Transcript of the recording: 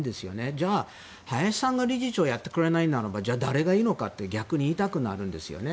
じゃあ、林さんが理事長をやってくれないならばじゃあ、誰がいいのかって逆に言いたくなるんですよね。